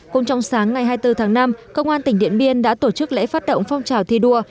cùng trong sáng ngày hai mươi bốn tháng năm công an tỉnh điện biên đã tổ chức lễ phát động phong trào thi đua